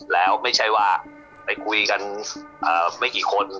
แล้วไม่ใช่ว่าไปคุยกันไม่กี่คน